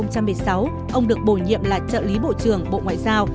năm hai nghìn một mươi sáu ông được bổ nhiệm là trợ lý bộ trưởng bộ ngoại giao